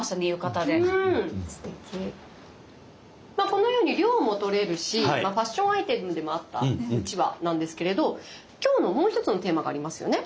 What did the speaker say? このように涼も取れるしファッションアイテムでもあったうちわなんですけれど今日のもう一つのテーマがありますよね。